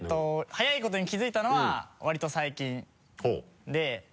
早いことに気づいたのはわりと最近で。